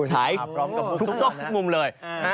ถ่ายทุกมุมเลย